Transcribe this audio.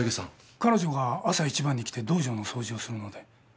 彼女が朝一番に来て道場の掃除をするので。